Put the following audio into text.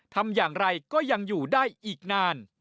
ทำอย่างไรก็ยังอยู่ได้อีกนาน